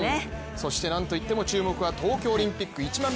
そしてなんといっても注目は東京オリンピック１００００